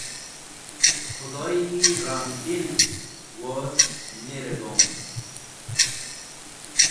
Khẽdoyi ramdil woz miribon.